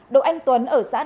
độ anh tuấn ở xã đại sơn